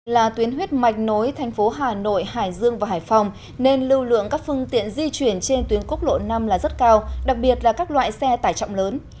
là tuyến huyết mạch nối thành phố hà nội hải dương và hải phòng nên lưu lượng các phương tiện di chuyển trên tuyến quốc lộ năm là rất cao đặc biệt là các loại xe tải trọng lớn